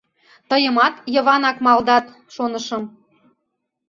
— Тыйымат Йыванак малдат, шонышым.